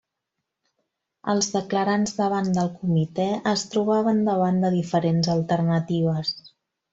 Els declarants davant del comitè es trobaven davant de diferents alternatives.